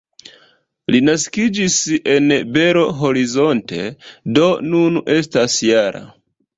Li naskiĝis en Belo Horizonte, do nun estas -jara.